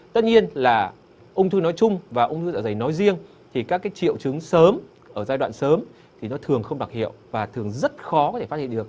tất nhiên là ung thư nói chung và ung thư dạ dày nói riêng thì các cái triệu chứng sớm ở giai đoạn sớm thì nó thường không đặc hiệu và thường rất khó có thể phát hiện được